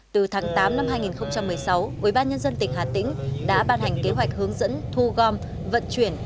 từ tháng tám năm hai nghìn một mươi sáu ubnd tỉnh hà tĩnh đã ban hành kế hoạch hướng dẫn thu gom vận chuyển